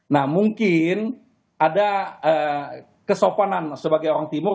nah mungkin ada kesopanan sebagai orang timur